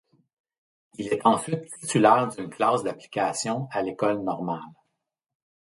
Elle est ensuite titulaire d'une classe d'application à l'école normale.